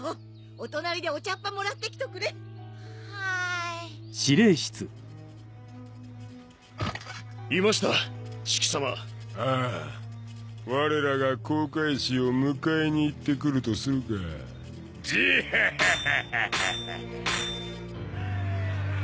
お隣でお茶葉もらってきとくれはーいいましたシキ様ああ我らが航海士を迎えに行ってくるとするかジーハハハハハハ！